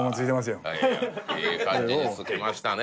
よええ感じに付けましたね